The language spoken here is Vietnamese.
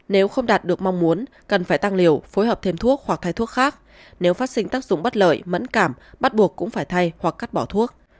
nếu không đạt được mong muốn cần phải tăng liều phối hợp thêm thuốc hoặc thay thuốc khác nếu phát sinh tác dụng bất lợi mẫn cảm bắt buộc cũng phải thay hoặc cắt bỏ thuốc